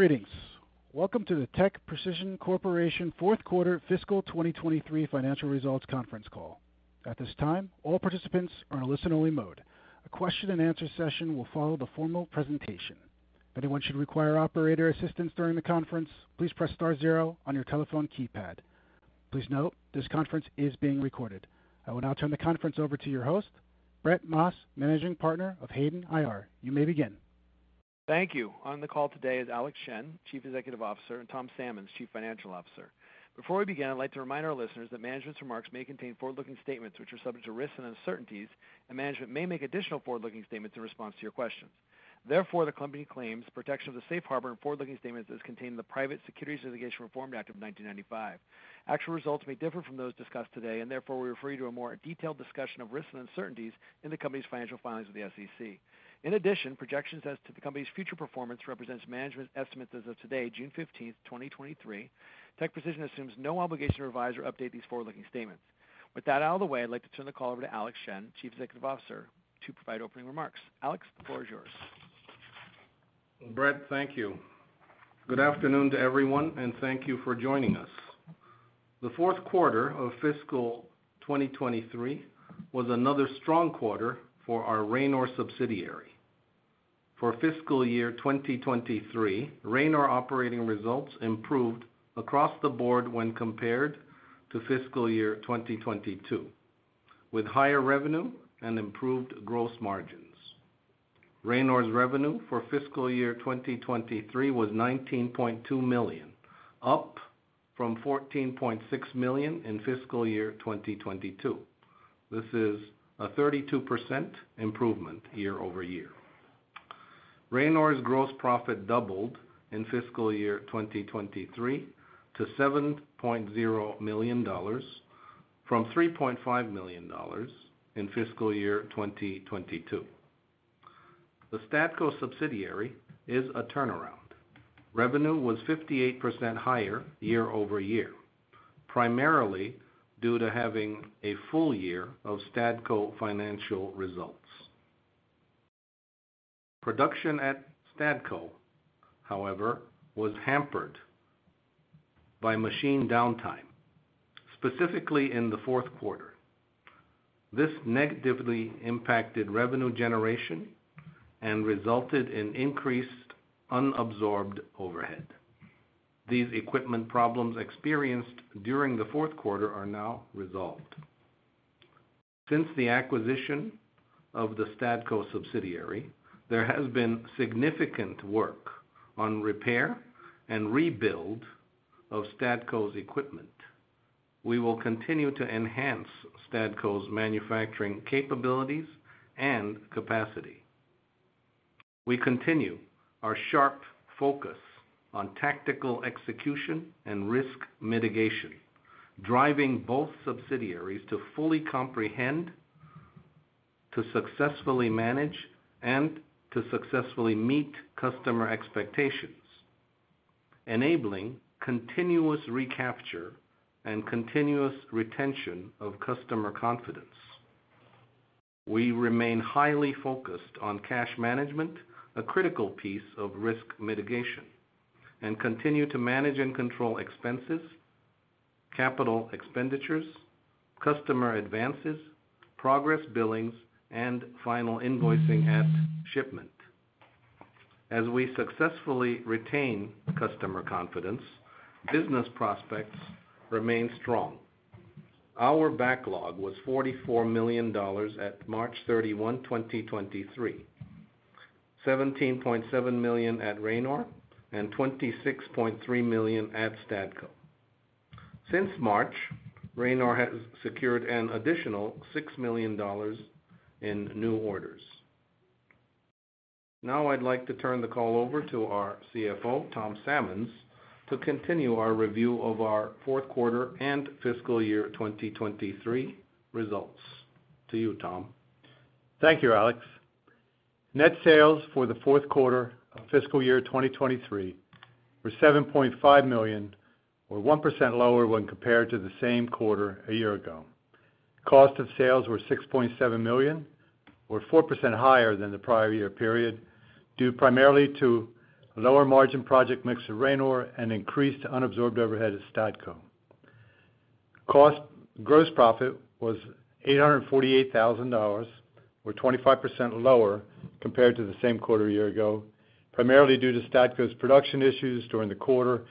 Greetings. Welcome to the TechPrecision Corporation fourth quarter fiscal 2023 financial results conference call. At this time, all participants are in listen-only mode. A question and answer session will follow the formal presentation. If anyone should require operator assistance during the conference, please press star zero on your telephone keypad. Please note, this conference is being recorded. I will now turn the conference over to your host, Brett Maas, Managing Partner, Hayden IR. You may begin. Thank you. On the call today is Alex Shen, Chief Executive Officer, and Tom Sammons, Chief Financial Officer. Before we begin, I'd like to remind our listeners that management's remarks may contain forward-looking statements, which are subject to risks and uncertainties, and management may make additional forward-looking statements in response to your questions. The company claims protection of the safe harbor and forward-looking statements as contained in the Private Securities Litigation Reform Act of 1995. Actual results may differ from those discussed today, we refer you to a more detailed discussion of risks and uncertainties in the company's financial filings with the SEC. Projections as to the company's future performance represents management's estimates as of today, June 15, 2023. TechPrecision assumes no obligation to revise or update these forward-looking statements. With that out of the way, I'd like to turn the call over to Alex Shen, Chief Executive Officer, to provide opening remarks. Alex, the floor is yours. Brett, thank you. Good afternoon to everyone, thank you for joining us. The fourth quarter of fiscal 2023 was another strong quarter for our Ranor subsidiary. For fiscal year 2023, Ranor operating results improved across the board when compared to fiscal year 2022, with higher revenue and improved gross margins. Ranor's revenue for fiscal year 2023 was $19.2 million, up from $14.6 million in fiscal year 2022. This is a 32% improvement year-over-year. Ranor's gross profit doubled in fiscal year 2023 to $7.0 million from $3.5 million in fiscal year 2022. The Stadco subsidiary is a turnaround. Revenue was 58% higher year-over-year, primarily due to having a full year of Stadco financial results. Production at Stadco, however, was hampered by machine downtime, specifically in the fourth quarter. This negatively impacted revenue generation and resulted in increased unabsorbed overhead. These equipment problems experienced during the fourth quarter are now resolved. Since the acquisition of the Stadco subsidiary, there has been significant work on repair and rebuild of Stadco's equipment. We will continue to enhance Stadco's manufacturing capabilities and capacity. We continue our sharp focus on tactical execution and risk mitigation, driving both subsidiaries to fully comprehend, to successfully manage, and to successfully meet customer expectations, enabling continuous recapture and continuous retention of customer confidence. We remain highly focused on cash management, a critical piece of risk mitigation, and continue to manage and control expenses, capital expenditures, customer advances, progress billings, and final invoicing at shipment. As we successfully retain customer confidence, business prospects remain strong. Our backlog was $44 million at March 31, 2023, $17.7 million at Ranor and $26.3 million at Stadco. Since March, Ranor has secured an additional $6 million in new orders. Now I'd like to turn the call over to our CFO, Tom Sammons, to continue our review of our fourth quarter and fiscal year 2023 results. To you, Tom. Thank you, Alex. Net sales for the fourth quarter of fiscal year 2023 were $7.5 million, or 1% lower when compared to the same quarter a year ago. Cost of sales were $6.7 million, or 4% higher than the prior year period, due primarily to lower margin project mix of Ranor and increased unabsorbed overhead at Stadco. Gross profit was $848,000, or 25% lower compared to the same quarter a year ago, primarily due to Stadco's production issues during the quarter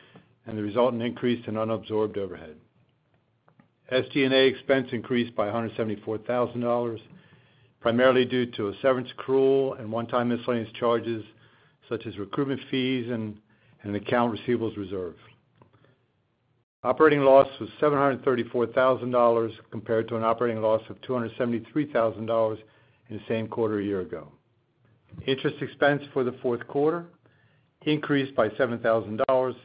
and the resultant increase in unabsorbed overhead. SG&A expense increased by $174,000, primarily due to a severance accrual and one-time miscellaneous charges, such as recruitment fees and account receivables reserve. Operating loss was $734,000, compared to an operating loss of $273,000 in the same quarter a year ago. Interest expense for the fourth quarter increased by $7,000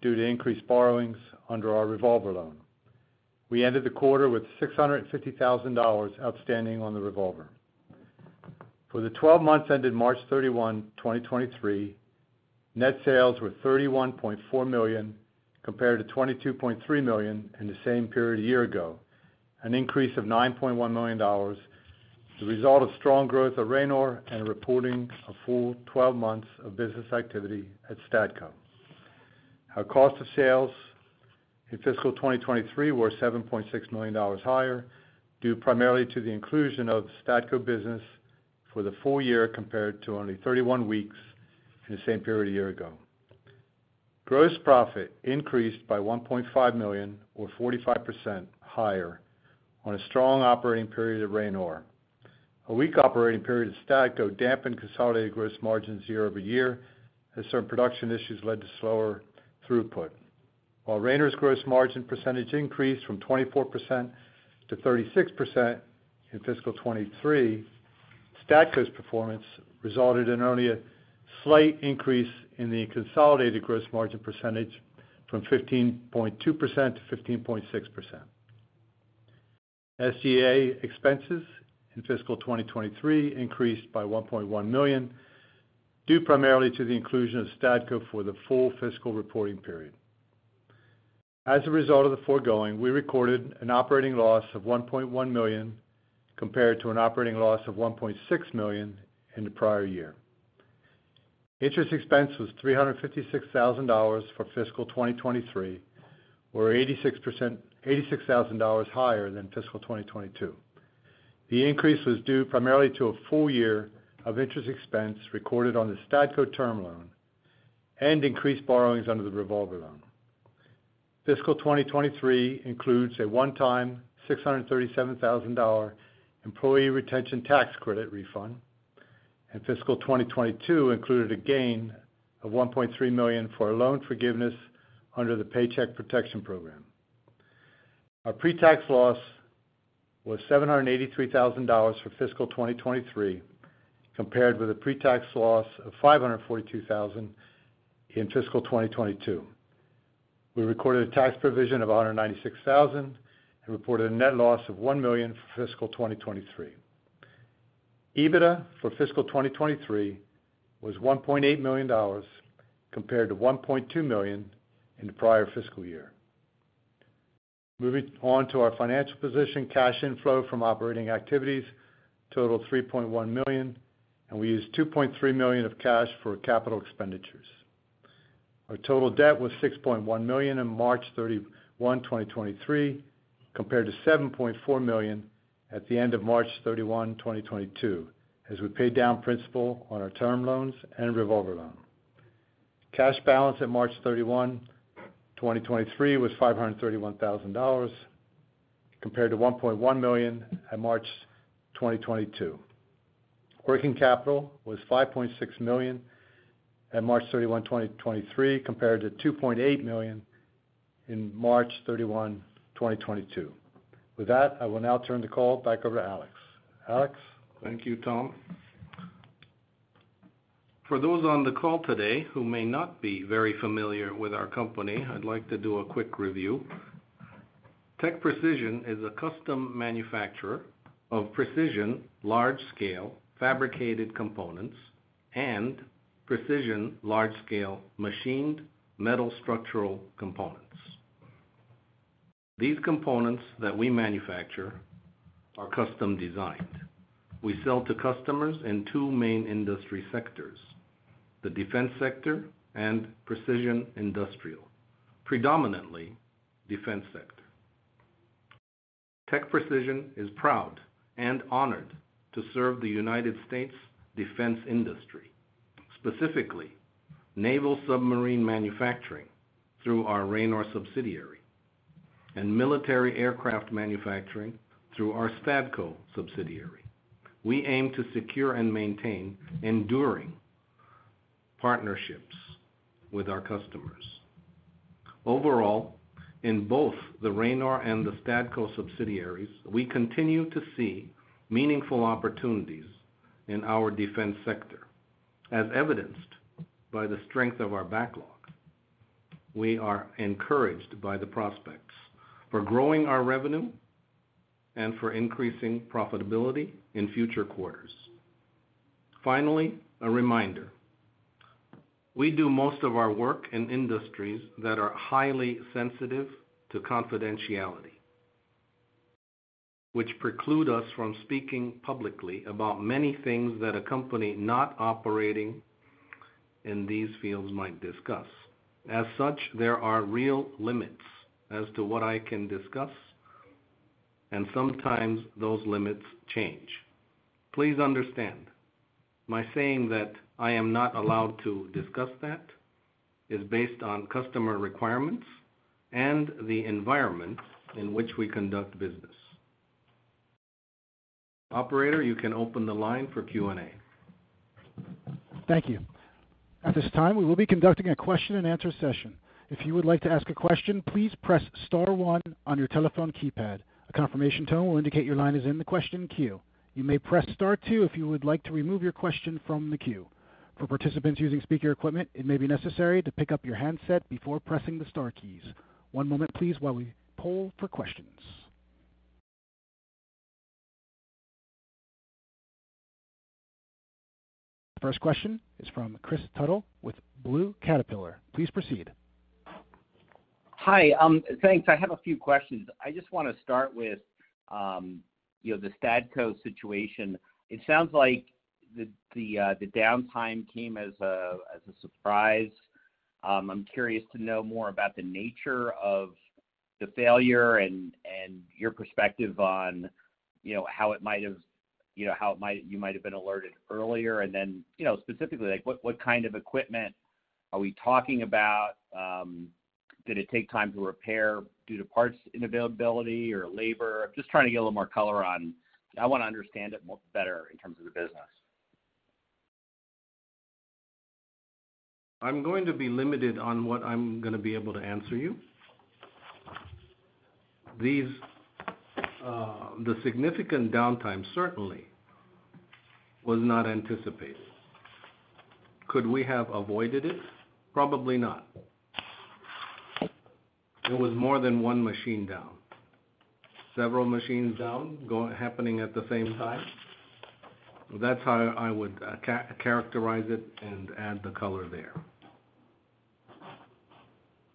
due to increased borrowings under our revolver loan. We ended the quarter with $650,000 outstanding on the revolver. For the 12 months ended March 31, 2023, net sales were $31.4 million, compared to $22.3 million in the same period a year ago, an increase of $9.1 million, the result of strong growth at Ranor and reporting a full 12 months of business activity at Stadco. Our cost of sales in fiscal 2023 were $7.6 million higher, due primarily to the inclusion of the Stadco business for the full year, compared to only 31 weeks in the same period a year ago. Gross profit increased by $1.5 million or 45% higher on a strong operating period at Ranor. A weak operating period at Stadco dampened consolidated gross margins year-over-year, as certain production issues led to slower throughput. While Ranor's gross margin percentage increased from 24% to 36% in fiscal 2023, Stadco's performance resulted in only a slight increase in the consolidated gross margin percentage from 15.2% to 15.6%. SGA expenses in fiscal 2023 increased by $1.1 million, due primarily to the inclusion of Stadco for the full fiscal reporting period. As a result of the foregoing, we recorded an operating loss of $1.1 million, compared to an operating loss of $1.6 million in the prior year. Interest expense was $356,000 for fiscal 2023, or $86,000 higher than fiscal 2022. The increase was due primarily to a full year of interest expense recorded on the Stadco term loan and increased borrowings under the revolver loan. Fiscal 2023 includes a one-time $637,000 Employee Retention Tax Credit refund, and fiscal 2022 included a gain of $1.3 million for a loan forgiveness under the Paycheck Protection Program. Our pre-tax loss was $783,000 for fiscal 2023, compared with a pre-tax loss of $542,000 in fiscal 2022. We recorded a tax provision of $196,000 and reported a net loss of $1 million for fiscal 2023. EBITDA for fiscal 2023 was $1.8 million, compared to $1.2 million in the prior fiscal year. Moving on to our financial position, cash inflow from operating activities totaled $3.1 million, and we used $2.3 million of cash for capital expenditures. Our total debt was $6.1 million in March 31, 2023, compared to $7.4 million at the end of March 31, 2022, as we paid down principal on our term loans and revolver loan. Cash balance at March 31, 2023, was $531,000, compared to $1.1 million at March 2022. Working capital was $5.6 million at March 31, 2023, compared to $2.8 million in March 31, 2022. With that, I will now turn the call back over to Alex. Alex? Thank you, Tom. For those on the call today who may not be very familiar with our company, I'd like to do a quick review. TechPrecision is a custom manufacturer of precision, large-scale, fabricated components and precision, large-scale, machined metal structural components. These components that we manufacture are custom-designed. We sell to customers in two main industry sectors: the defense sector and precision industrial, predominantly defense sector. TechPrecision is proud and honored to serve the U.S. defense industry, specifically Navy submarine manufacturing through our Ranor subsidiary, and military aircraft manufacturing through our Stadco subsidiary. We aim to secure and maintain enduring partnerships with our customers. Overall, in both the Ranor and the Stadco subsidiaries, we continue to see meaningful opportunities in our defense sector, as evidenced by the strength of our backlog. We are encouraged by the prospects for growing our revenue and for increasing profitability in future quarters. Finally, a reminder. We do most of our work in industries that are highly sensitive to confidentiality, which preclude us from speaking publicly about many things that a company not operating in these fields might discuss. As such, there are real limits as to what I can discuss, and sometimes those limits change. Please understand, my saying that I am not allowed to discuss that is based on customer requirements and the environment in which we conduct business. Operator, you can open the line for Q&A. Thank you. At this time, we will be conducting a question-and-answer session. If you would like to ask a question, please press star one on your telephone keypad. A confirmation tone will indicate your line is in the question queue. You may press Star two if you would like to remove your question from the queue. For participants using speaker equipment, it may be necessary to pick up your handset before pressing the star keys. One moment please, while we poll for questions. First question is from Kris Tuttle with Blue Caterpillar. Please proceed. Hi, thanks. I have a few questions. I just want to start with, you know, the Stadco situation. It sounds like the downtime came as a surprise. I'm curious to know more about the nature of the failure and your perspective on, you know, how it might have, you know, you might have been alerted earlier, specifically, like, what kind of equipment are we talking about? Did it take time to repair due to parts unavailability or labor? Just trying to get a little more color on. I want to understand it more better in terms of the business. I'm going to be limited on what I'm going to be able to answer you. The significant downtime certainly was not anticipated. Could we have avoided it? Probably not. It was more than one machine down. Several machines down, happening at the same time. That's how I would characterize it and add the color there.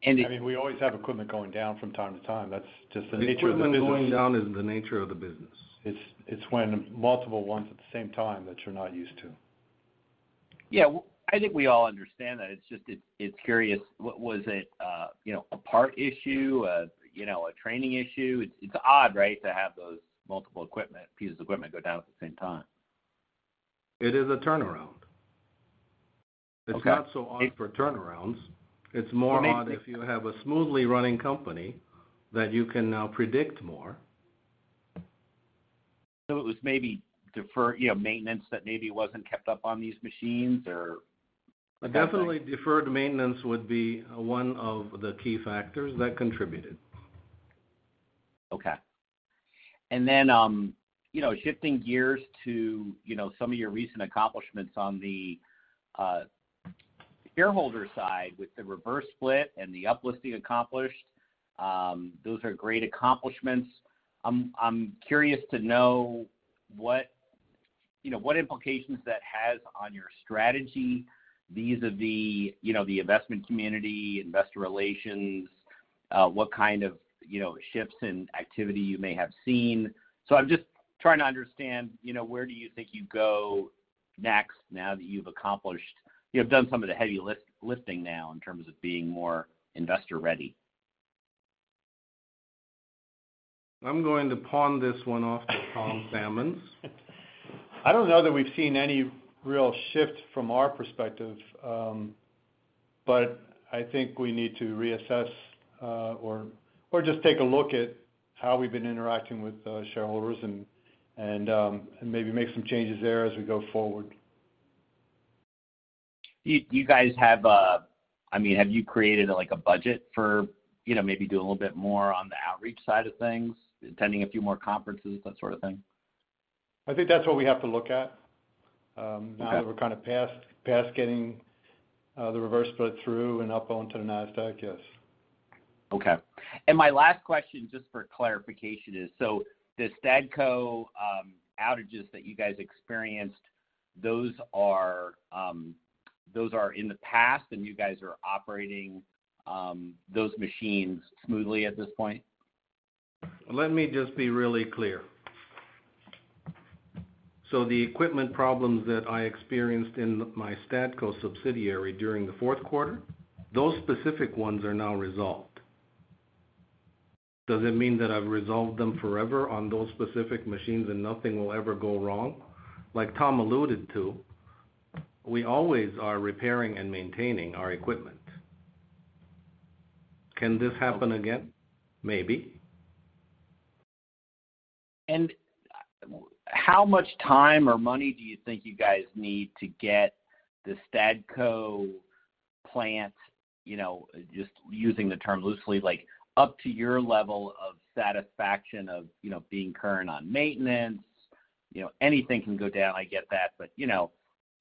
And- I mean, we always have equipment going down from time to time. That's just the nature of the business. Equipment going down is the nature of the business. It's when multiple ones at the same time that you're not used to. Yeah, I think we all understand that. It's just, it's curious, what was it, you know, a part issue, a, you know, a training issue? It's, it's odd, right, to have those multiple pieces of equipment go down at the same time. It is a turnaround. Okay. It's not so odd for turnarounds. So maybe- It's more odd if you have a smoothly running company that you can now predict more. It was maybe defer, you know, maintenance that maybe wasn't kept up on these machines, or? Definitely, deferred maintenance would be one of the key factors that contributed. Okay. Then, you know, shifting gears to, you know, some of your recent accomplishments on the shareholder side, with the reverse split and the uplisting accomplished, those are great accomplishments. I'm curious to know what, you know, what implications that has on your strategy, vis-a-vis, you know, the investment community, investor relations, what kind of, you know, shifts in activity you may have seen. I'm just trying to understand, you know, where do you think you go next now that you've accomplished... You have done some of the heavy lifting now in terms of being more investor-ready. I'm going to pawn this one off to Tom Sammons. I don't know that we've seen any real shift from our perspective, but I think we need to reassess, or just take a look at how we've been interacting with shareholders and maybe make some changes there as we go forward. Do you guys have I mean, have you created, like, a budget for, you know, maybe do a little bit more on the outreach side of things, attending a few more conferences, that sort of thing? I think that's what we have to look at. Okay... now that we're kind of past getting the reverse split through and up onto the Nasdaq, yes. Okay. My last question, just for clarification, is: the Stadco outages that you guys experienced, those are in the past and you guys are operating, those machines smoothly at this point? Let me just be really clear. The equipment problems that I experienced in my Stadco subsidiary during the fourth quarter, those specific ones are now resolved. Does it mean that I've resolved them forever on those specific machines and nothing will ever go wrong? Like Tom alluded to, we always are repairing and maintaining our equipment. Can this happen again? Maybe. How much time or money do you think you guys need to get the Stadco plant, you know, just using the term loosely, like, up to your level of satisfaction of, you know, being current on maintenance? You know, anything can go down, I get that. But, you know,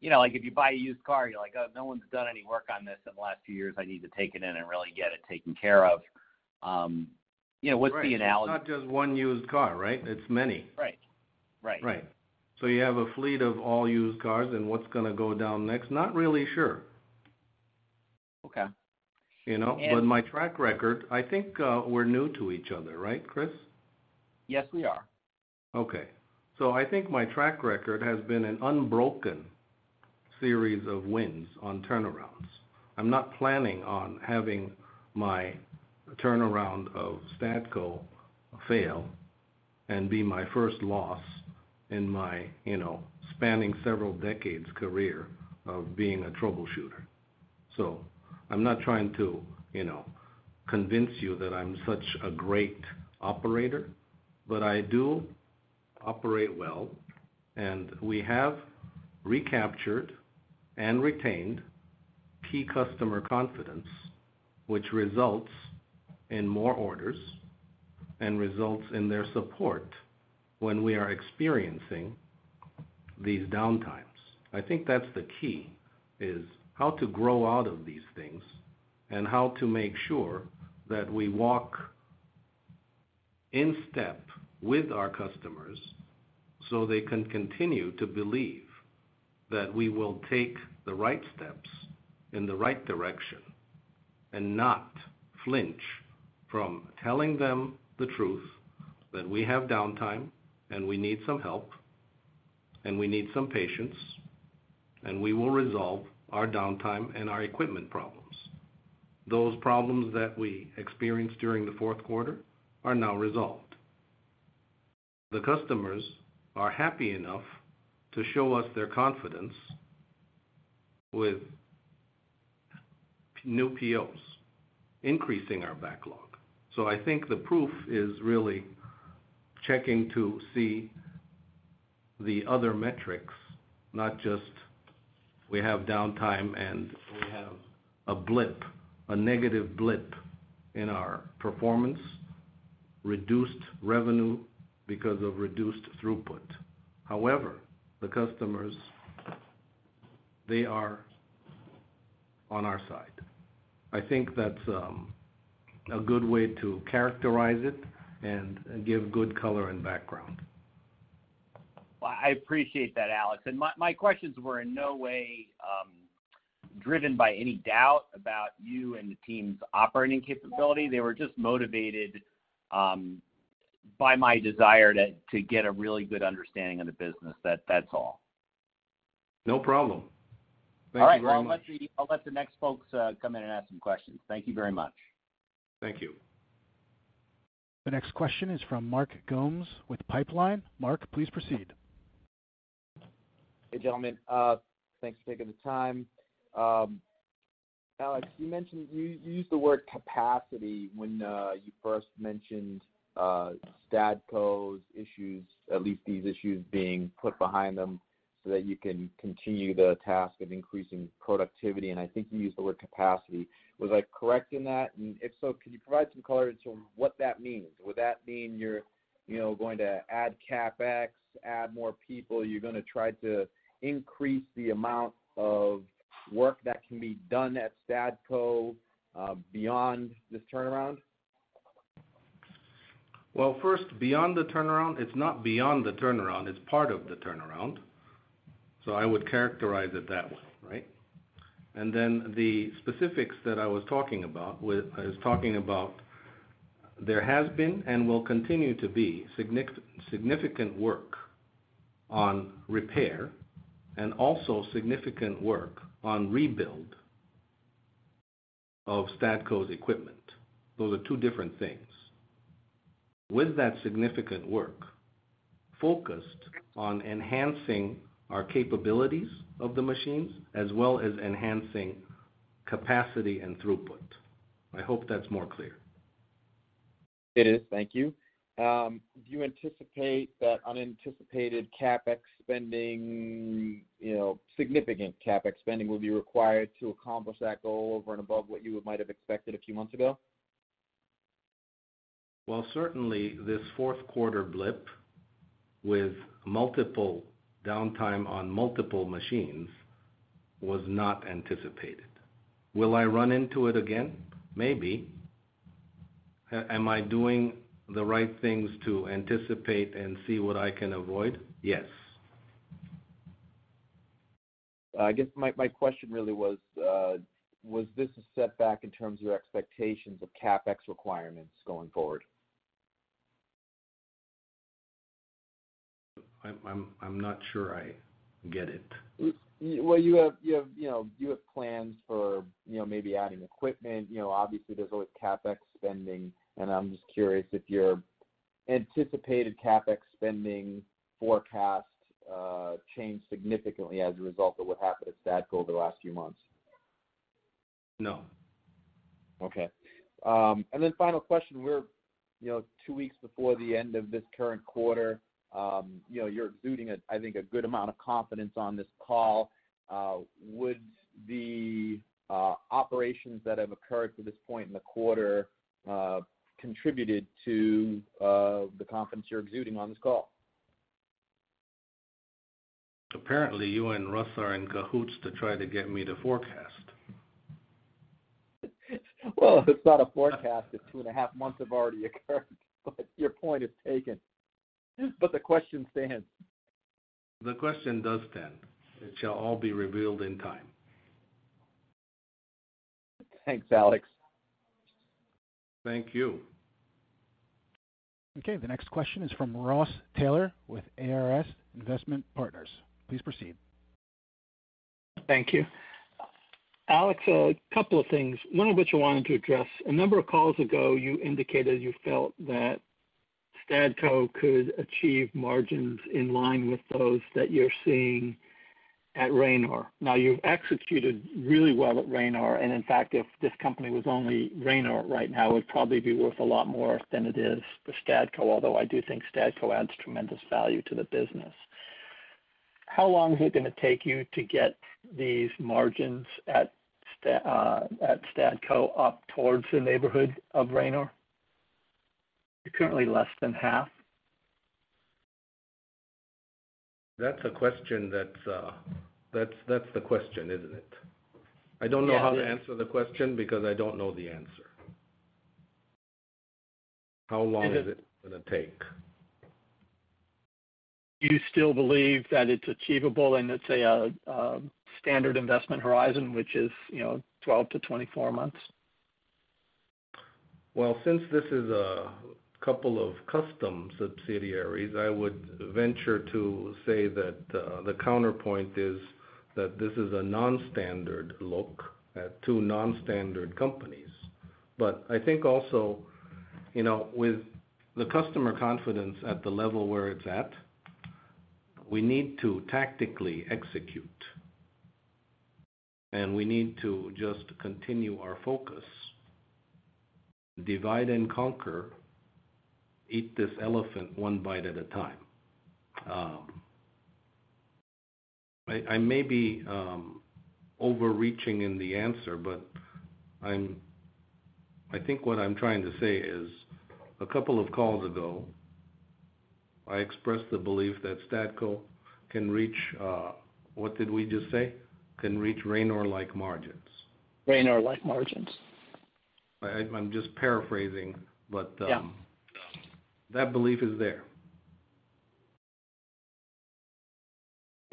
you know, like, if you buy a used car, you're like, "Oh, no one's done any work on this in the last few years. I need to take it in and really get it taken care of." You know, what's the analogy? Right. It's not just one used car, right? It's many. Right. Right. Right. You have a fleet of all used cars, and what's gonna go down next? Not really sure. Okay. You know? And- ...my track record, I think, we're new to each other, right, Kris? Yes, we are. Okay. I think my track record has been an unbroken series of wins on turnarounds. I'm not planning on having my turnaround of Stadco fail and be my first loss in my, you know, spanning several decades career of being a troubleshooter. I'm not trying to, you know, convince you that I'm such a great operator, but I do operate well, and we have recaptured and retained key customer confidence, which results in more orders and results in their support when we are experiencing these downtimes. I think that's the key, is how to grow out of these things and how to make sure that we walkin step with our customers, so they can continue to believe that we will take the right steps in the right direction, and not flinch from telling them the truth, that we have downtime, and we need some help, and we need some patience, and we will resolve our downtime and our equipment problems. Those problems that we experienced during the fourth quarter are now resolved. The customers are happy enough to show us their confidence with new POs, increasing our backlog. I think the proof is really checking to see the other metrics, not just we have downtime and we have a blip, a negative blip in our performance, reduced revenue because of reduced throughput. However, the customers, they are on our side. I think that's a good way to characterize it and give good color and background. Well, I appreciate that, Alex. My questions were in no way driven by any doubt about you and the team's operating capability. They were just motivated by my desire to get a really good understanding of the business. That's all. No problem. Thank you very much. All right, well, I'll let the, I'll let the next folks, come in and ask some questions. Thank you very much. Thank you. The next question is from Mark Gomes with Pipeline. Mark, please proceed. Hey, gentlemen. Thanks for taking the time. Alex, you mentioned you used the word capacity when you first mentioned Stadco's issues, at least these issues being put behind them, so that you can continue the task of increasing productivity, and I think you used the word capacity. Was I correct in that? If so, could you provide some color into what that means? Would that mean you're, you know, going to add CapEx, add more people, you're gonna try to increase the amount of work that can be done at Stadco, beyond this turnaround? First, beyond the turnaround, it's not beyond the turnaround, it's part of the turnaround. I would characterize it that way, right? The specifics that I was talking about, there has been and will continue to be significant work on repair, and also significant work on rebuild of Stadco's equipment. Those are two different things. That significant work, focused on enhancing our capabilities of the machines, as well as enhancing capacity and throughput. I hope that's more clear. It is. Thank you. Do you anticipate that unanticipated CapEx spending, you know, significant CapEx spending, will be required to accomplish that goal over and above what you might have expected a few months ago? Well, certainly, this fourth quarter blip with multiple downtime on multiple machines was not anticipated. Will I run into it again? Maybe. Am I doing the right things to anticipate and see what I can avoid? Yes. I guess my question really was this a setback in terms of your expectations of CapEx requirements going forward? I'm not sure I get it. Well, you have, you know, you have plans for, you know, maybe adding equipment. You know, obviously, there's always CapEx spending. I'm just curious if your anticipated CapEx spending forecast changed significantly as a result of what happened at Stadco over the last few months? No. Okay. Final question: We're, you know, two weeks before the end of this current quarter, you know, you're exuding a, I think, a good amount of confidence on this call. Would the operations that have occurred to this point in the quarter, contributed to the confidence you're exuding on this call? Apparently, you and Russ are in cahoots to try to get me to forecast. Well, it's not a forecast if two and a half months have already occurred, but your point is taken. The question stands. The question does stand. It shall all be revealed in time. Thanks, Alex. Thank you. The next question is from Ross Taylor with ARS Investment Partners. Please proceed. Thank you. Alex, a couple of things, one of which I wanted to address. A number of calls ago, you indicated you felt that Stadco could achieve margins in line with those that you're seeing at Ranor. Now, you've executed really well at Ranor, and in fact, if this company was only Ranor right now, it would probably be worth a lot more than it is for Stadco, although I do think Stadco adds tremendous value to the business. How long is it gonna take you to get these margins at Stadco up towards the neighborhood of Ranor? They're currently less than half. That's a question that's the question, isn't it? I don't know how to answer the question because I don't know the answer. How long is it gonna take? Do you still believe that it's achievable in, let's say, a, standard investment horizon, which is, you know, 12-24 months? Since this is 2 custom subsidiaries, I would venture to say that the counterpoint is that this is a non-standard look at two non-standard companies. I think also, you know, with the customer confidence at the level where it's at, we need to tactically execute, and we need to just continue our focus, divide and conquer, eat this elephant one bite at a time. I may be overreaching in the answer, but I think what I'm trying to say is, 2 calls ago, I expressed the belief that Stadco can reach, what did we just say? Can reach Ranor-like margins. Ranor-like margins. I'm just paraphrasing, but... Yeah. ...that belief is there.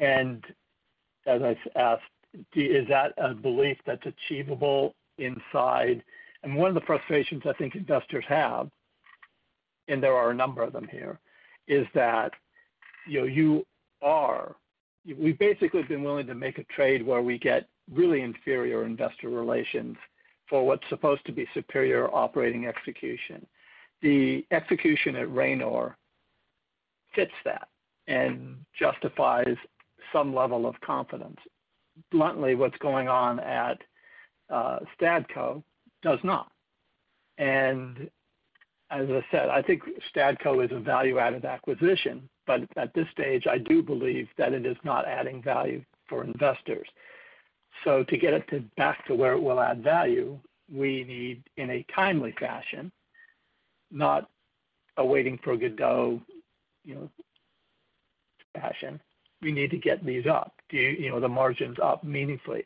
As I asked, is that a belief that's achievable inside? One of the frustrations I think investors have, and there are a number of them here, is that, you know, we've basically been willing to make a trade where we get really inferior investor relations for what's supposed to be superior operating execution. The execution at Ranor fits that and justifies some level of confidence. Bluntly, what's going on at Stadco does not. As I said, I think Stadco is a value-added acquisition, but at this stage, I do believe that it is not adding value for investors. To get it to back to where it will add value, we need, in a timely fashion, not a waiting for a good go, you know, fashion. We need to get these up, you know, the margins up meaningfully.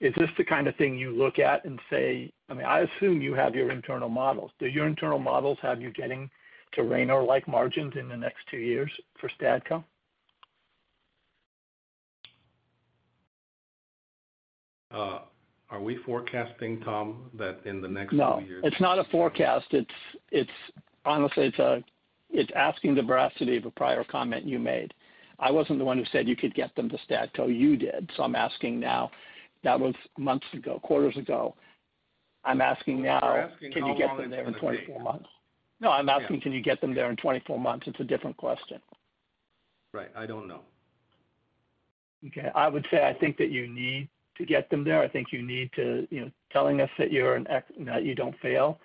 Is this the kind of thing you look at and say... I mean, I assume you have your internal models. Do your internal models have you getting to Ranor-like margins in the next two years for Stadco? Are we forecasting, Tom, that in the next two years? No, it's not a forecast. It's honestly, it's asking the veracity of a prior comment you made. I wasn't the one who said you could get them to Stadco, you did. I'm asking now, that was months ago, quarters ago. I'm asking now. You're asking how long it's gonna take? Can you get them there in 24 months? No, I'm asking, can you get them there in 24 months? It's a different question. Right. I don't know. Okay. I would say I think that you need to get them there. I think you need to, you know, telling us that you're that you don't fail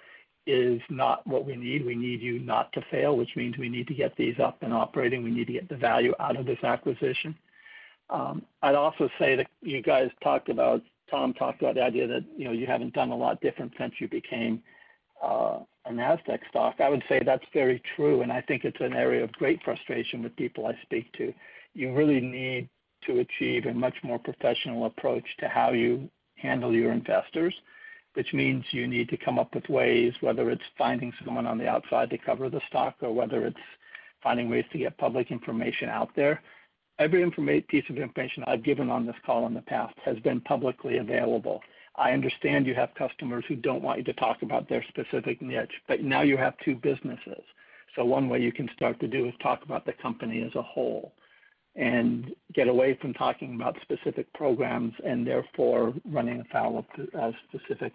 is not what we need. We need you not to fail, which means we need to get these up and operating. We need to get the value out of this acquisition. I'd also say that you guys talked about, Tom talked about the idea that, you know, you haven't done a lot different since you became an Nasdaq stock. I would say that's very true, and I think it's an area of great frustration with people I speak to. You really need to achieve a much more professional approach to how you handle your investors, which means you need to come up with ways, whether it's finding someone on the outside to cover the stock, or whether it's finding ways to get public information out there. Every piece of information I've given on this call in the past has been publicly available. I understand you have customers who don't want you to talk about their specific niche, but now you have two businesses. One way you can start to do is talk about the company as a whole and get away from talking about specific programs and therefore running afoul with specific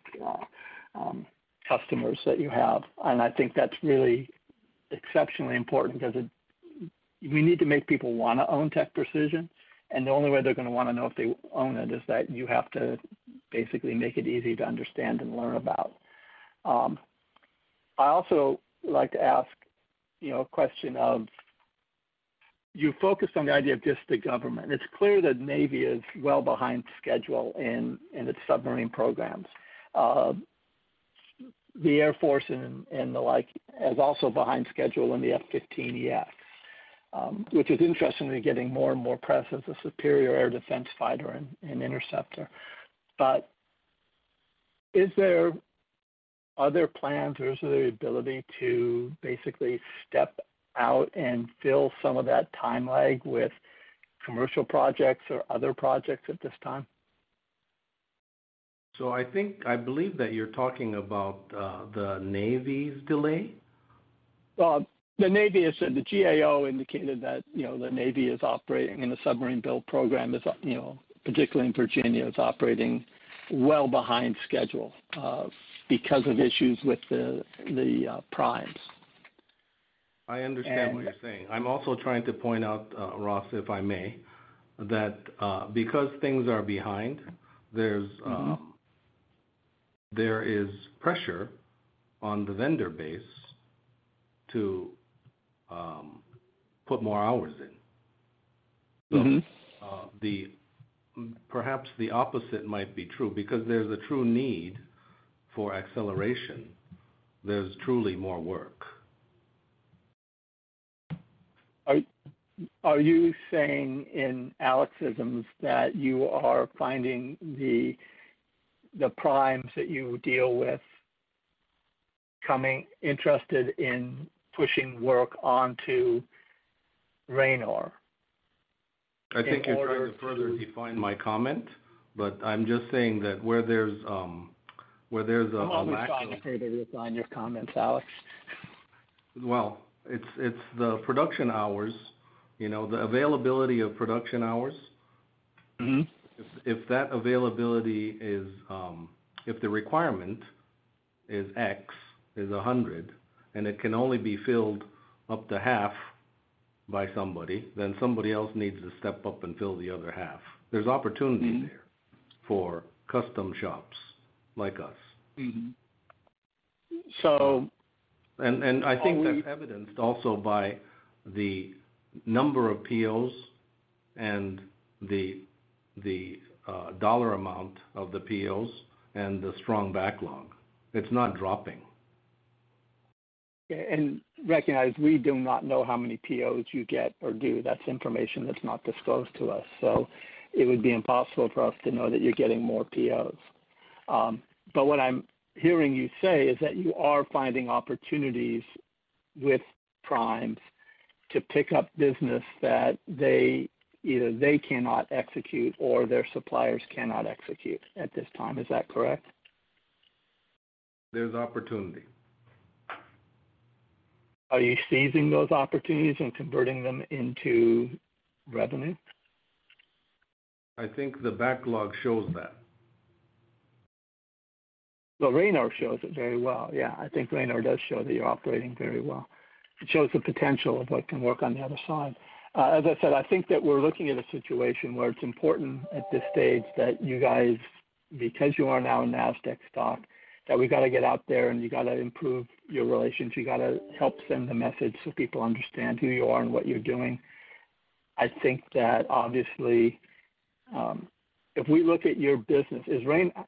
customers that you have. I think that's really exceptionally important because we need to make people wanna own TechPrecision, and the only way they're gonna wanna know if they own it is that you have to basically make it easy to understand and learn about. I also like to ask, you know, a question of: You focused on the idea of just the government. It's clear that Navy is well behind schedule in its submarine programs. The Air Force and the like, is also behind schedule in the F-15EX, which is interestingly getting more and more press as a superior air defense fighter and interceptor. Is there other plans, or is there the ability to basically step out and fill some of that time lag with commercial projects or other projects at this time? I think I believe that you're talking about the Navy's delay. Well, the GAO indicated that, you know, the Navy is operating, and the submarine build program is, you know, particularly in Virginia, is operating well behind schedule because of issues with the primes. I understand what you're saying. I'm also trying to point out, Ross, if I may, that, because things are behind, there's. Mm-hmm. There is pressure on the vendor base to put more hours in. Mm-hmm. Perhaps the opposite might be true because there's a true need, for acceleration, there's truly more work. Are you saying in Alexisms that you are finding the primes that you deal with coming interested in pushing work onto Ranor? I think you're trying to further define my comment, but I'm just saying that where there's, where there's. I'm always trying to clarify your comments, Alex. Well, it's the production hours, you know, the availability of production hours. Mm-hmm. If that availability is, if the requirement is X, is 100, and it can only be filled up to half by somebody, then somebody else needs to step up and fill the other half. There's opportunity. Mm-hmm... there for custom shops like us. Mm-hmm. I think that's evidenced also by the number of POs and the dollar amount of the POs and the strong backlog. It's not dropping. Recognize we do not know how many POs you get or do. That's information that's not disclosed to us, so it would be impossible for us to know that you're getting more POs. What I'm hearing you say is that you are finding opportunities with primes to pick up business that either they cannot execute or their suppliers cannot execute at this time. Is that correct? There's opportunity. Are you seizing those opportunities and converting them into revenue? I think the backlog shows that. The Ranor shows it very well. Yeah, I think Ranor does show that you're operating very well. It shows the potential of what can work on the other side. As I said, I think that we're looking at a situation where it's important at this stage that you guys, because you are now a Nasdaq stock, that we've got to get out there and you get to improve your relations. You got to help send the message so people understand who you are and what you're doing. I think that obviously, if we look at your business,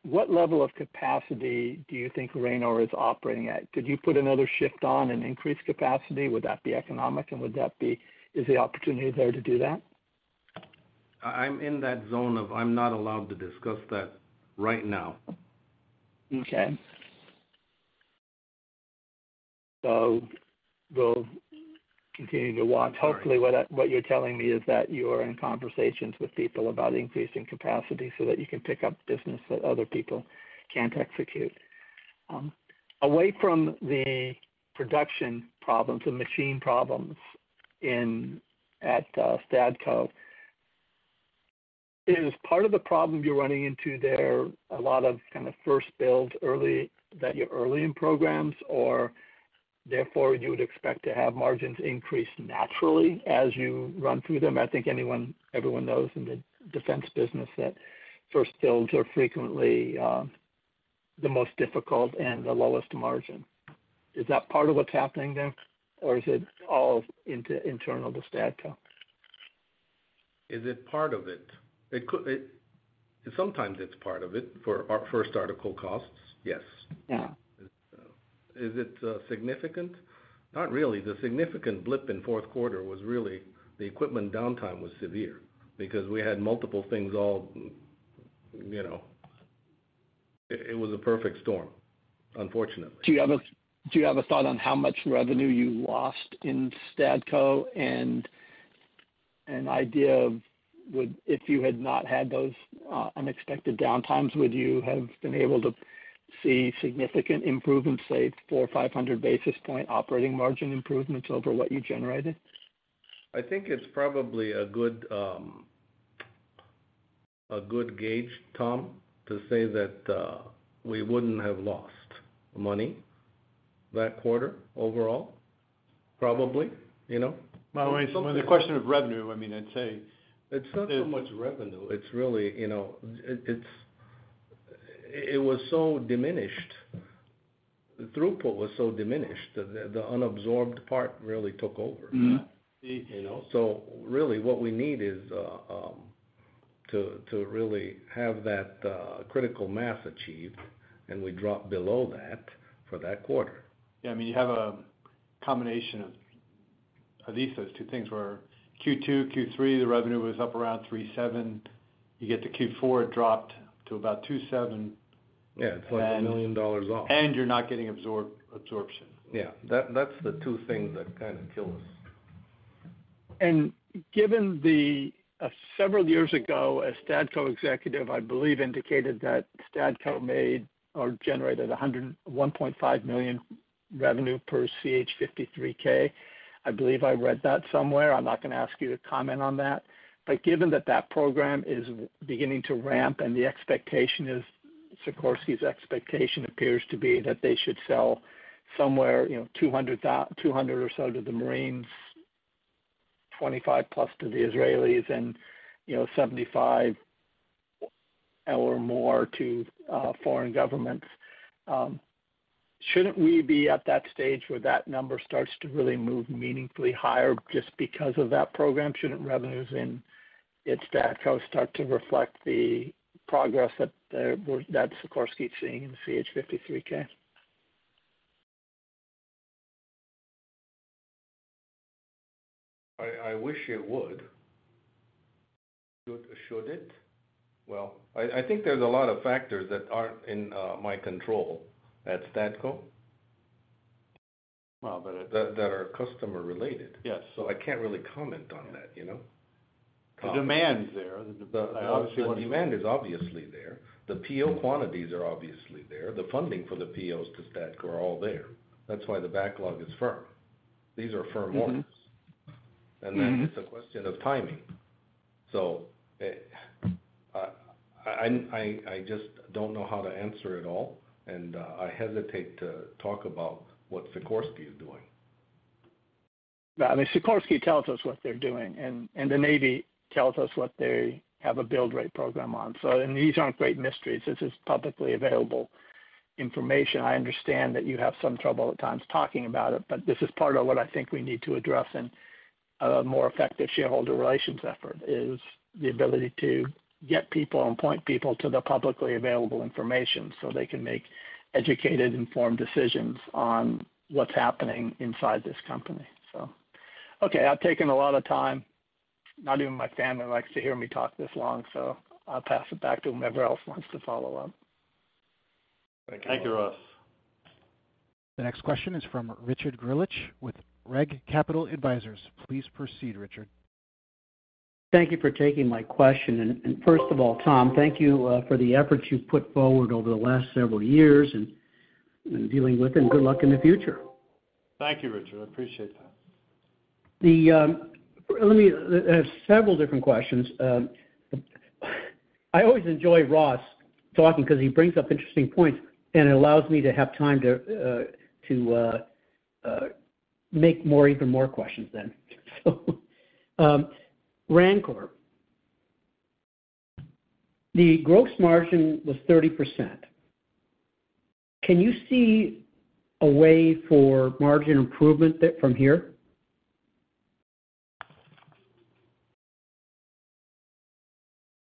what level of capacity do you think Ranor is operating at? Could you put another shift on and increase capacity? Would that be economic, and is the opportunity there to do that? I'm in that zone of I'm not allowed to discuss that right now. Okay. We'll continue to watch. Hopefully, what I, what you're telling me is that you are in conversations with people about increasing capacity so that you can pick up business that other people can't execute. Away from the production problems and machine problems in, at Stadco, is part of the problem you're running into there a lot of kind of first builds early, that you're early in programs, or therefore you would expect to have margins increase naturally as you run through them? I think anyone, everyone knows in the defense business that first builds are frequently the most difficult and the lowest margin. Is that part of what's happening there, or is it all internal to Stadco? Is it part of it? It, sometimes it's part of it, for our first article costs, yes. Yeah. Is it, significant? Not really. The significant blip in fourth quarter was really the equipment downtime was severe because we had multiple things all, you know, it was a perfect storm, unfortunately. Do you have a thought on how much revenue you lost in Stadco and an idea of If you had not had those unexpected downtimes, would you have been able to see significant improvements, say, 400 or 500 basis point operating margin improvements over what you generated? I think it's probably a good, a good gauge, Tom, to say that, we wouldn't have lost money that quarter overall, probably, you know. By the way, the question of revenue, I mean, I'd say. It's not so much revenue. It's really, you know, it was so diminished. The throughput was so diminished, the unabsorbed part really took over. Mm-hmm. You know? Really, what we need is to really have that critical mass achieved, and we dropped below that for that quarter. Yeah, I mean, you have a combination of those two things where Q2, Q3, the revenue was up around $3.7 million. You get to Q4, it dropped to about $2.7 million. Yeah, it's like $1 million off. You're not getting absorbed, absorption. Yeah. That's the two things that kind of kill us. Given the several years ago, a Stadco executive, I believe, indicated that Stadco made or generated $101.5 million revenue per CH-53K. I believe I read that somewhere. I'm not gonna ask you to comment on that. Given that that program is beginning to ramp and the expectation is, Sikorsky's expectation appears to be that they should sell somewhere, you know, 200 or so to the Marines, 25 plus to the Israelis, and, you know, 75 or more to foreign governments, shouldn't we be at that stage where that number starts to really move meaningfully higher just because of that program? Shouldn't revenues in its Stadco start to reflect the progress that Sikorsky is seeing in the CH-53K? I wish it would. Should it? Well, I think there's a lot of factors that aren't in my control at Stadco. Well. That are customer related. Yes. I can't really comment on that, you know? The demand's there. The, obviously, the demand is obviously there. The PO quantities are obviously there. The funding for the POs to Stadco are all there. That's why the backlog is firm. These are firm orders. Mm-hmm. It's a question of timing. I just don't know how to answer it all, I hesitate to talk about what Sikorsky is doing. No, I mean, Sikorsky tells us what they're doing, and the Navy tells us what they have a build right program on. These aren't great mysteries. This is publicly available information. I understand that you have some trouble at times talking about it, but this is part of what I think we need to address in a more effective shareholder relations effort, is the ability to get people and point people to the publicly available information, so they can make educated, informed decisions on what's happening inside this company. Okay, I've taken a lot of time. Not even my family likes to hear me talk this long, so I'll pass it back to whomever else wants to follow up. Thank you, Ross. The next question is from Richard Greulich with REG Capital Advisors. Please proceed, Richard. Thank you for taking my question. First of all, Tom, thank you for the efforts you've put forward over the last several years and dealing with, and good luck in the future. Thank you, Richard. I appreciate that. The, let me, several different questions. I always enjoy Ross talking because he brings up interesting points and allows me to have time to make more, even more questions then. Ranor, the gross margin was 30%. Can you see a way for margin improvement that from here?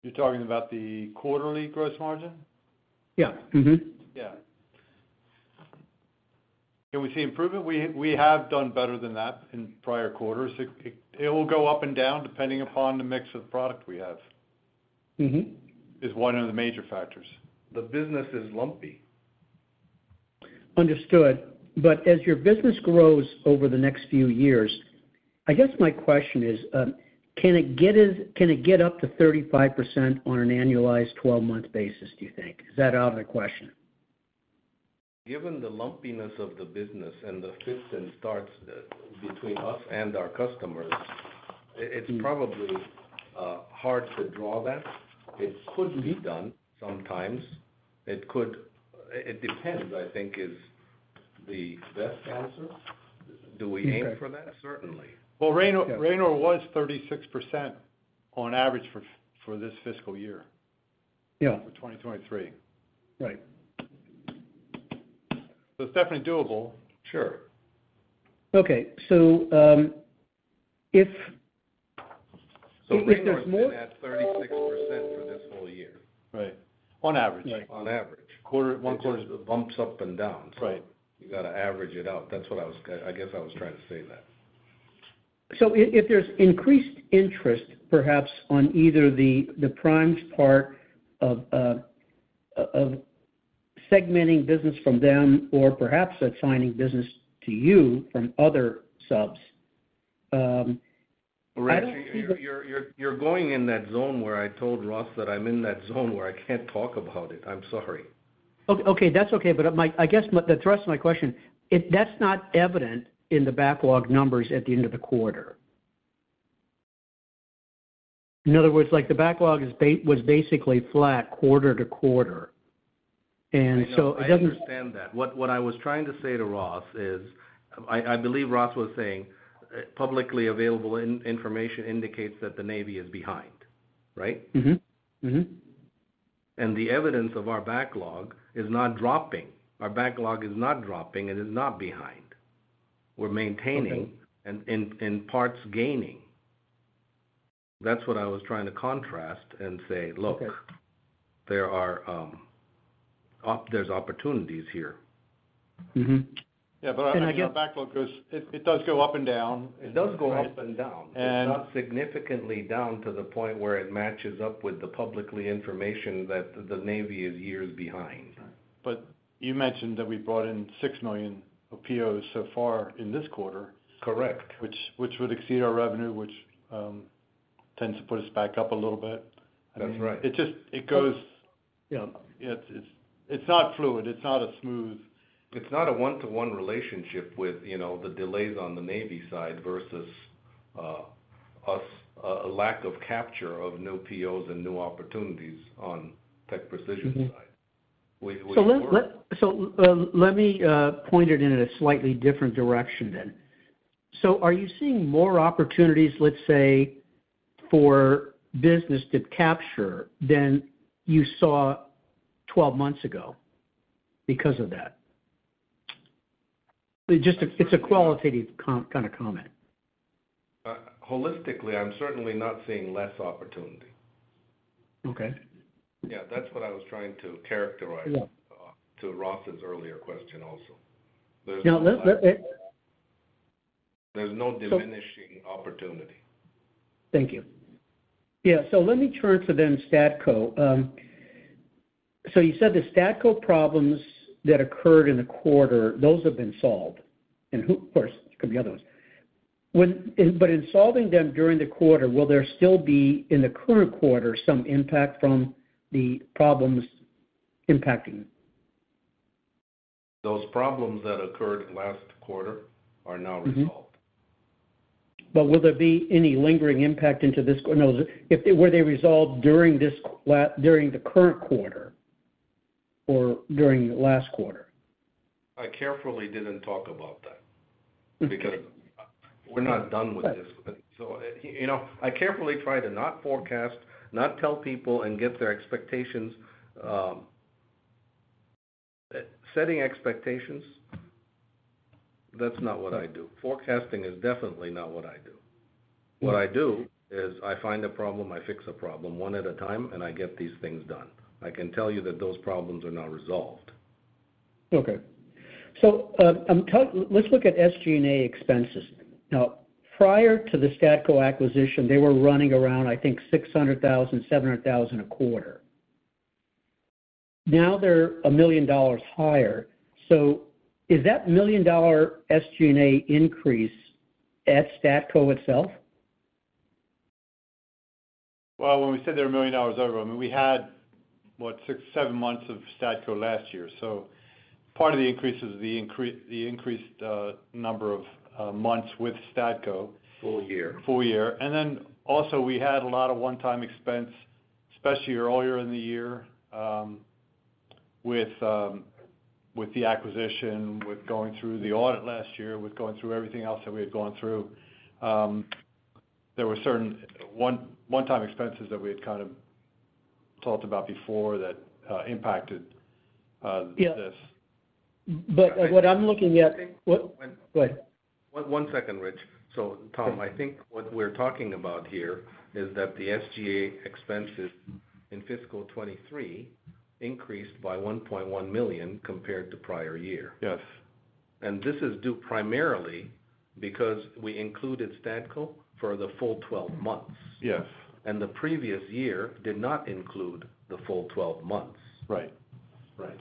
You're talking about the quarterly gross margin? Yeah. Mm-hmm. Yeah. Can we see improvement? We have done better than that in prior quarters. It will go up and down, depending upon the mix of product we have. Mm-hmm. Is one of the major factors. The business is lumpy. Understood. As your business grows over the next few years, I guess my question is, can it get up to 35% on an annualized 12-month basis, do you think? Is that out of the question? Given the lumpiness of the business and the fits and starts between us and our customers, it's probably hard to draw that. It could be done sometimes. It depends, I think, is the best answer. Do we aim for that? Certainly. Well, Ranor was 36% on average for this fiscal year. Yeah. For 2023. Right. It's definitely doable. Sure. Okay, if there's... Ranor is at 36% for this whole year. Right. On average. On average. One quarter. Bumps up and down. Right. You got to average it out. That's what I was, I guess, I was trying to say that. If there's increased interest, perhaps on either the primes part of segmenting business from them or perhaps assigning business to you from other subs, I don't see the. Richard, you're going in that zone where I told Ross that I'm in that zone where I can't talk about it. I'm sorry. Okay, okay. That's okay, but I guess what the thrust of my question, if that's not evident in the backlog numbers at the end of the quarter. In other words, like the backlog was basically flat quarter-to-quarter, it doesn't. I understand that. What I was trying to say to Ross is, I believe Ross was saying, publicly available information indicates that the Navy is behind, right? Mm-hmm. Mm-hmm. The evidence of our backlog is not dropping. Our backlog is not dropping, it is not behind. We're maintaining. Okay. In parts, gaining. That's what I was trying to contrast and say: Look. Okay. There's opportunities here. Mm-hmm. Yeah, I think our backlog goes, it does go up and down. It does go up and down. And- It's not significantly down to the point where it matches up with the publicly information that the Navy is years behind. You mentioned that we brought in $6 million of POs so far in this quarter. Correct. Which would exceed our revenue, which tends to put us back up a little bit. That's right. It just, it goes, you know, it's not fluid, it's not a smooth. It's not a one-to-one relationship with, you know, the delays on the Navy side versus us, a lack of capture of new POs and new opportunities on TechPrecision side. Mm-hmm. We. Let me point it in a slightly different direction then. Are you seeing more opportunities, let's say, for business to capture than you saw 12 months ago because of that? Just, it's a qualitative kind of comment. Holistically, I'm certainly not seeing less opportunity. Okay. Yeah, that's what I was trying to characterize... Yeah ...to Ross's earlier question also. There's no- Now, let... There's no diminishing opportunity. Thank you. Yeah, let me turn to then Stadco. You said the Stadco problems that occurred in the quarter, those have been solved. Of course, could be other ones. When, in solving them during the quarter, will there still be, in the current quarter, some impact from the problems impacting? Those problems that occurred last quarter are now resolved. Mm-hmm. Will there be any lingering impact into this no, if were they resolved during this during the current quarter or during the last quarter? I carefully didn't talk about that. Okay... because we're not done with this. You know, I carefully try to not forecast, not tell people and get their expectations. Setting expectations, that's not what I do. Forecasting is definitely not what I do. What I do is I find a problem, I fix a problem, one at a time, and I get these things done. I can tell you that those problems are now resolved. Okay. Let's look at SG&A expenses. Now, prior to the Stadco acquisition, they were running around, I think, $600,000, $700,000 a quarter. Now, they're $1 million higher. Is that $1 million SG&A increase at Stadco itself? When we said they're $1 million over, I mean, we had, what? Six, seven months of Stadco last year. Part of the increase is the increased number of months with Stadco. Full year. Full year. Then also, we had a lot of one-time expense, especially earlier in the year, with the acquisition, with going through the audit last year, with going through everything else that we had gone through. There were certain one-time expenses that we had kind of talked about before that impacted... Yeah ..this. What I'm looking at... I think- What? Go ahead. One second, Rich. Tom, I think what we're talking about here is that the SG&A expenses in fiscal 2023 increased by $1.1 million compared to prior year. Yes. This is due primarily because we included Stadco for the full 12 months. Yes. The previous year did not include the full 12 months. Right. Right.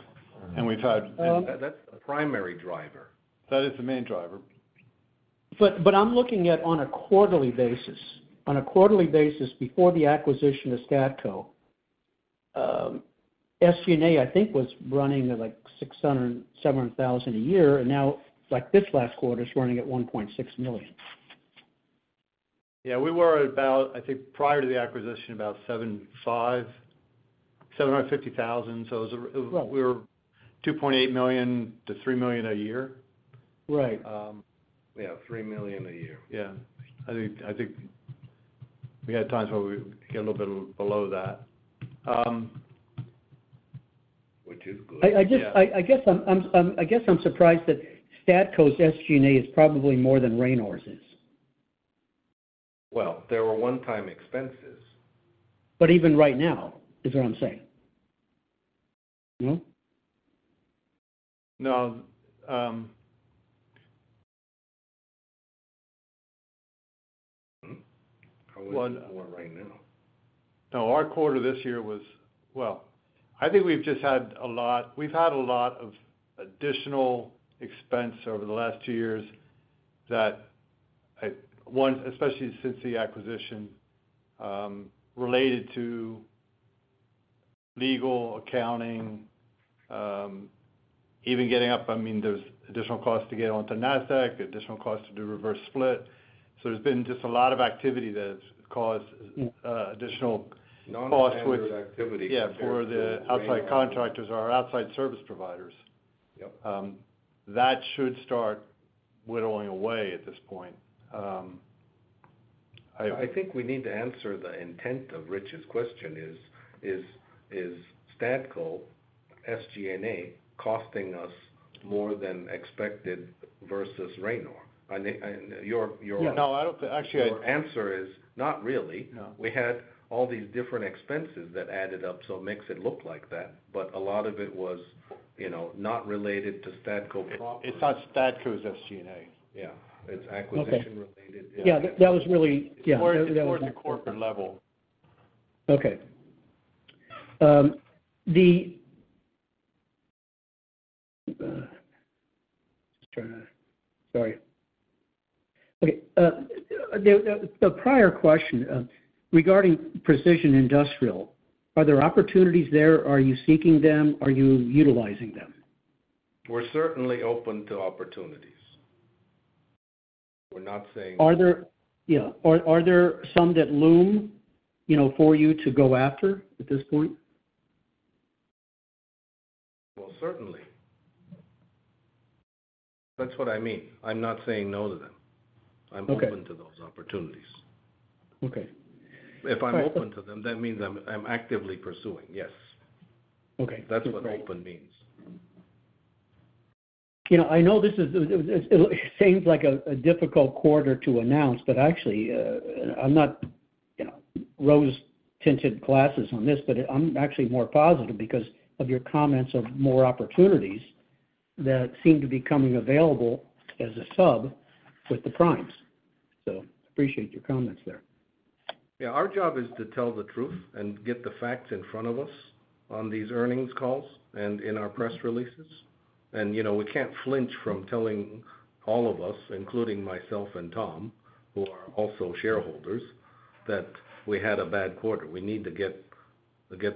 And we've had- That's the primary driver. That is the main driver. I'm looking at on a quarterly basis. On a quarterly basis, before the acquisition of Stadco, SG&A, I think, was running at, like, $600,000, $700,000 a year, and now, like, this last quarter, it's running at $1.6 million. Yeah, we were about, I think, prior to the acquisition, about $750,000. Right... we were $2.8 million-$3 million a year. Right. Um. Yeah, $3 million a year. Yeah. I think we had times where we get a little bit below that, which is good. I just, I guess I'm surprised that Stadco's SG&A is probably more than Ranor's is. Well, there were one-time expenses. Even right now, is what I'm saying. Hmm? No. How is it more right now? Well, I think we've just had a lot of additional expense over the last two years, that, one, especially since the acquisition, related to legal, accounting, even getting up, I mean, there's additional costs to get onto Nasdaq, additional costs to do reverse split. There's been just a lot of activity that has caused additional costs. Non-standard activity. Yeah, for the outside contractors or outside service providers. Yep. That should start whittling away at this point. I think we need to answer the intent of Rich's question is Stadco SG&A costing us more than expected versus Ranor? No, I don't think. Actually, Your answer is, not really. No. We had all these different expenses that added up, so it makes it look like that, but a lot of it was, you know, not related to Stadco properly. It's not Stadco's SG&A. Yeah, it's. Okay -related. Yeah, that was really... Yeah. It's more at the corporate level. Okay. The prior question regarding Precision Industrial, are there opportunities there? Are you seeking them? Are you utilizing them? We're certainly open to opportunities. We're not saying- Yeah. Are there some that loom, you know, for you to go after at this point? Oh, certainly. That's what I mean. I'm not saying no to them. Okay. I'm open to those opportunities. Okay. If I'm open to them, that means I'm actively pursuing, yes. Okay. That's what open means. You know, I know this is, it seems like a difficult quarter to announce, but actually, I'm not, you know, rose-tinted glasses on this, but I'm actually more positive because of your comments of more opportunities that seem to be coming available as a sub with the primes. Appreciate your comments there. Yeah, our job is to tell the truth and get the facts in front of us on these earnings calls and in our press releases. You know, we can't flinch from telling all of us, including myself and Tom, who are also shareholders, that we had a bad quarter. We need to get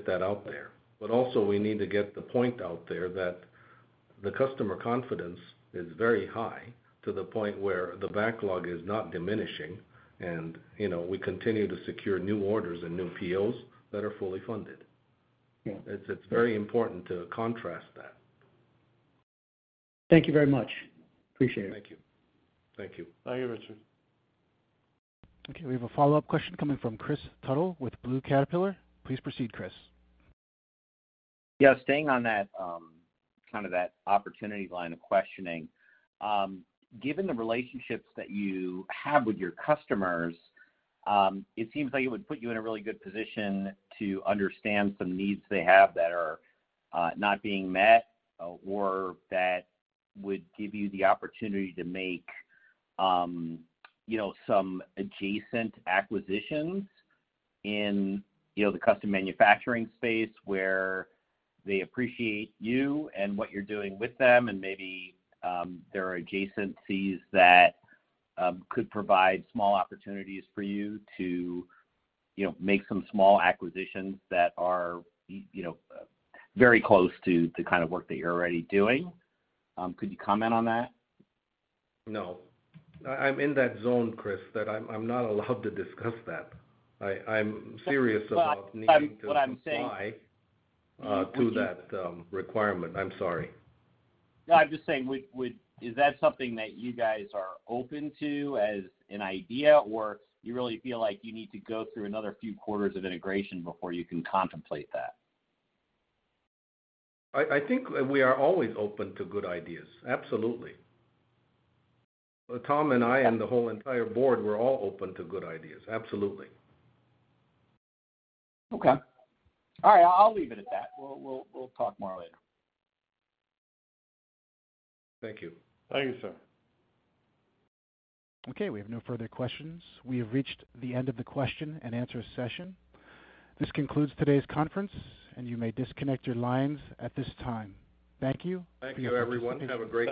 that out there. Also, we need to get the point out there that the customer confidence is very high, to the point where the backlog is not diminishing and, you know, we continue to secure new orders and new POs that are fully funded. Yeah. It's very important to contrast that. Thank you very much. Appreciate it. Thank you. Thank you. Thank you, Richard. Okay, we have a follow-up question coming from Kris Tuttle with Blue Caterpillar. Please proceed, Kris. Yeah, staying on that, kind of that opportunity line of questioning, given the relationships that you have with your customers, it seems like it would put you in a really good position to understand some needs they have that are not being met, or that would give you the opportunity to make, you know, some adjacent acquisitions in, you know, the custom manufacturing space, where they appreciate you and what you're doing with them. Maybe, there are adjacencies that could provide small opportunities for you to, you know, make some small acquisitions that are, you know, very close to the kind of work that you're already doing. Could you comment on that? No. I'm in that zone, Kris, that I'm not allowed to discuss that. I'm serious about. what I'm saying. To that, requirement. I'm sorry. No, I'm just saying, would is that something that you guys are open to as an idea? You really feel like you need to go through another few quarters of integration before you can contemplate that? I think we are always open to good ideas, absolutely. Tom and I and the whole entire board, we're all open to good ideas. Absolutely. Okay. All right, I'll leave it at that. We'll talk more later. Thank you. Thank you, sir. Okay, we have no further questions. We have reached the end of the question and answer session. This concludes today's conference, and you may disconnect your lines at this time. Thank you. Thank you, everyone. Have a great day.